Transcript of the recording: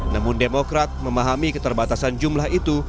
namun demokrat memahami keterbatasan jumlah itu